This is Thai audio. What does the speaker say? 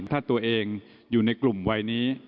ถ้าตัวเองอยู่ในกลุ่มวัยนี้